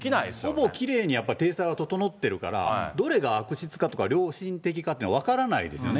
ほぼきれいに体裁が整ってるから、どれが悪質かとか良心的かというのは分からないですよね。